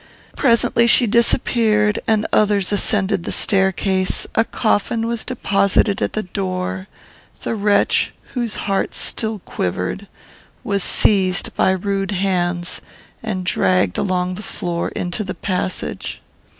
Presently she disappeared, and others ascended the staircase, a coffin was deposited at the door, the wretch, whose heart still quivered, was seized by rude hands, and dragged along the floor into the passage.